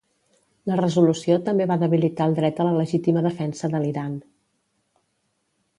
La resolució també va debilitar el dret a la legítima defensa de l'Iran.